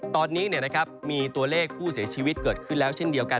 ตอนนี้มีตัวเลขผู้เสียชีวิตเกิดขึ้นแล้วเช่นเดียวกัน